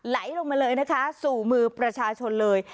ไหลลงมาเลยนะคะสู่มือประชาชนเลย